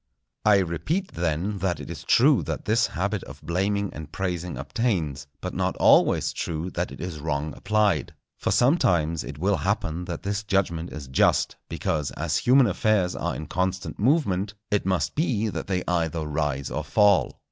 I repeat, then, that it is true that this habit of blaming and praising obtains, but not always true that it is wrong applied. For sometimes it will happen that this judgment is just; because, as human affairs are in constant movement, it must be that they either rise or fall.